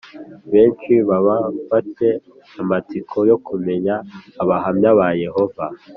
benshi baba ba te amatsiko yo kumenya Abahamya ba Yehova